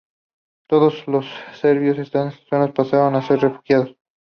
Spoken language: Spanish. Todos los serbios de estas zonas pasaron a ser refugiados.